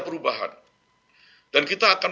perubahan dan kita akan